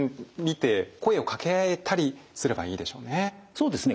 そうですね。